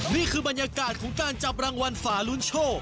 นี่คือบรรยากาศของการจับรางวัลฝาลุ้นโชค